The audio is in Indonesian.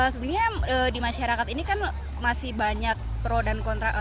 sebenarnya di masyarakat ini kan masih banyak pro dan kontra